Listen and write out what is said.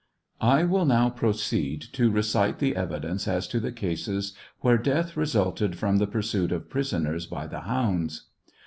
Iwill now proceed to recite the evidence as to the cases where death resulted from the pursuit of prisoners by the hounds.